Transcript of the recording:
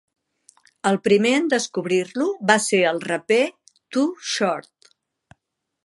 El primer en descobrir-lo va ser el raper Too Short.